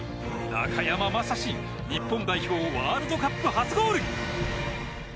中山雅史、日本代表ワールドカップ初ゴール。